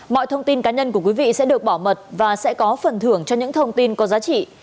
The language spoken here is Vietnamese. mọi thông tin cá nhân của quý vị sẽ được bảo mật và sẽ có phần thưởng cho những thông tin có giá trị